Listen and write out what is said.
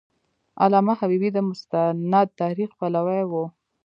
علامه حبیبي د مستند تاریخ پلوی و.